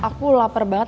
ma aku lapar banget